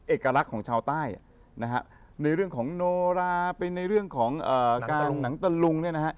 เอกลักษณ์ของชาวใต้นะฮะในเรื่องของโนราเป็นในเรื่องของการลงหนังตะลุงเนี่ยนะฮะ